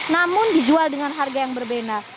namun dijual dengan harga yang berbeda